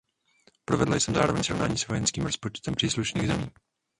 Provedla jsem zároveň srovnání s vojenským rozpočtem příslušných zemí.